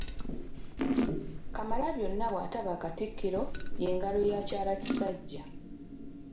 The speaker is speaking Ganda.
Kamalabyonna bw’ataba katikkiro ye ngalo ya kyalakisajja.